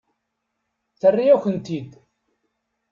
Terra-yakent-ten-id.